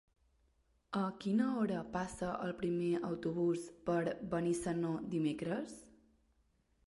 A quina hora passa el primer autobús per Benissanó dimecres?